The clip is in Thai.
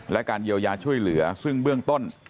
และการเยียวยาช่วยเหลือซึ่งเบื้องต้น